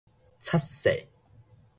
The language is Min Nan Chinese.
漆刷